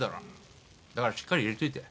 だからしっかり入れといた。